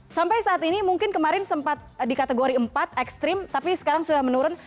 sampai saat ini mungkin kemarin sempat di kategori empat ekstrim tapi sekarang sudah menurun